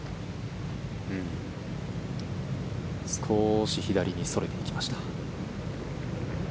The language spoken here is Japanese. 少し左にそれていきました。